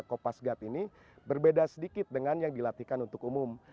kopasga tni berbeda sedikit dengan yang dilatihkan untuk umum